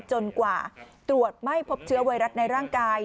จนกว่าตรวจไม่พบเชื้อไวรัสในร่างกาย